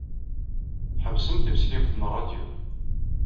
Tḥebsem timesliwt n ṛṛadyu.